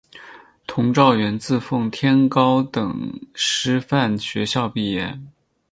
佟兆元自奉天高等师范学校毕业。